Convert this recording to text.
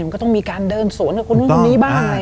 ก็ต้องมีการเดินถนนส่วนออกมาขนาดนี้บ้าง